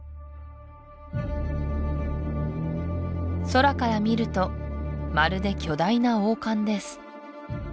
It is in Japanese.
空から見るとまるで巨大な王冠です